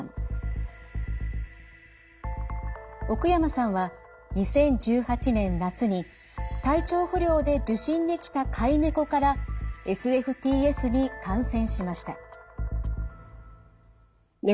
奥山さんは２０１８年夏に体調不良で受診に来た飼い猫からＳＦＴＳに感染しました。